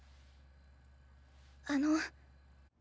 あの。